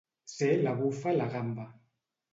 Ser la bufa la gamba.